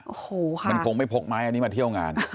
โอ้โหค่ะมันคงไม่พกไม้อันนี้มาเที่ยวงาน